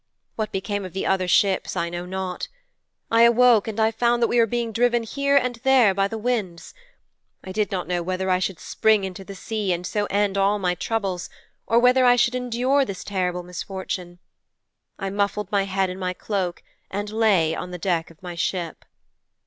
What became of the other ships I know not. I awoke and I found that we were being driven here and there by the winds. I did not know whether I should spring into the sea and so end all my troubles, or whether I should endure this terrible misfortune. I muffled my head in my cloak and lay on the deck of my ship.'